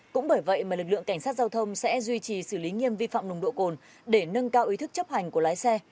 cũng bởi vậy mà lực lượng cảnh sát giao thông sẽ duy trì xử lý nghiêm vi phạm nồng độ cồn để nâng cao ý thức chấp hành của lái xe